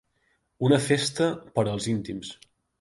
Una festa per als íntims.